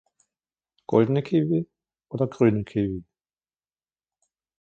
Goldene Kiwi oder grüne Kiwi?